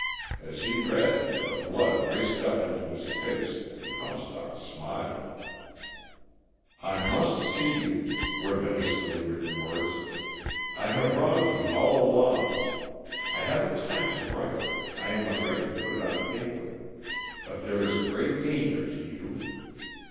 As he read the blood raced up into his face and Comstock smiled. "I must see you," were the hastily written words. "I have wronged you all along. I haven't time to write, I am afraid to put it on paper. But there is great danger to you.